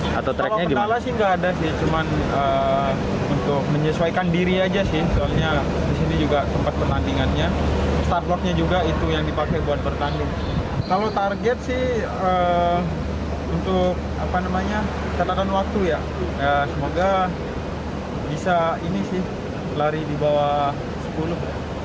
catatan waktu ya semoga bisa ini sih lari di bawah sepuluh